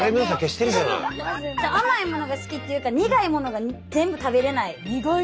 甘いものが好きっていうか苦いものが全部食べれない。